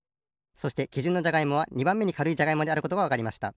そしてきじゅんのじゃがいもは２ばんめにかるいじゃがいもであることがわかりました。